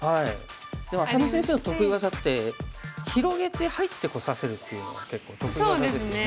でも愛咲美先生の得意技って広げて入ってこさせるっていうのが結構得意技ですよね。